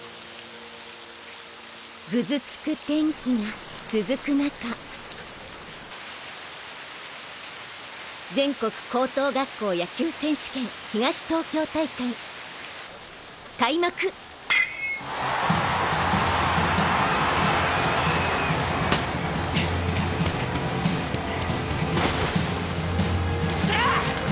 ぐずつく天気が続く中全国高等学校野球選手権東東京大会開幕っしゃ！